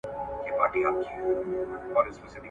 چي په شپه د پسرلي کي به باران وي ,